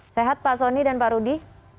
sehat pak soni dan pak rudi